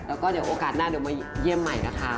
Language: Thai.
แล้วก็เดี๋ยวโอกาสหน้าเดี๋ยวมาเยี่ยมใหม่นะคะ